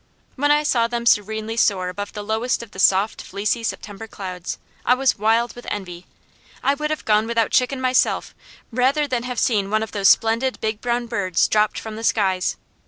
When I saw them serenely soar above the lowest of the soft fleecy September clouds, I was wild with envy. I would have gone without chicken myself rather than have seen one of those splendid big brown birds dropped from the skies.